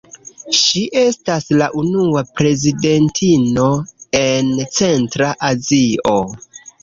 Ŝi estas la unua prezidentino en Centra Azio.